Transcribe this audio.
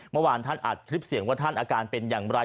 เมื่อวานท่านอัดคลิปเสียงว่าท่านอาการเป็นอย่างไร